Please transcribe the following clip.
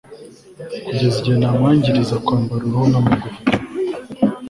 Kugeza igihe namwangiriza kwambara uruhu namagufwa